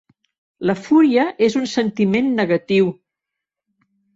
La fúria és un sentiment negatiu.